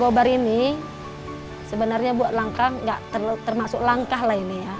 gobar ini sebenarnya buat langkah nggak termasuk langkah lah ini ya